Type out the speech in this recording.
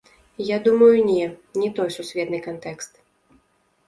Я думаю, не, не той сусветны кантэкст.